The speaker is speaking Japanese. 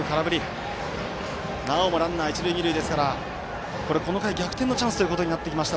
なおもランナー、一塁二塁ですからこの回、逆転のチャンスということになってきました